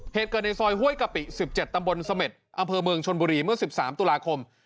เหตุเกิดในซอยห้วยกะปิ๑๗ตำบลเสม็ดอำเภอเมืองชนบุรีเมื่อ๑๓ตุลาคม